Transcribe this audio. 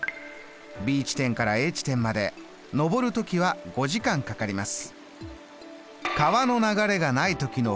Ｂ地点からＡ地点まで上る時は５時間かかります。